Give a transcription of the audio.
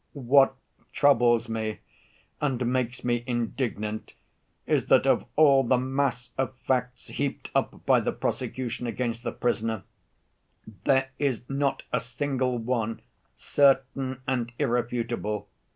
What troubles me and makes me indignant is that of all the mass of facts heaped up by the prosecution against the prisoner, there is not a single one certain and irrefutable.